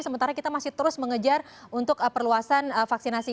sementara kita masih terus mengejar untuk perluasan vaksinasi